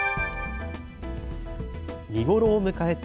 見頃を迎えた